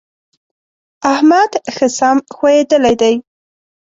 احمد ښه سم ښويېدلی دی.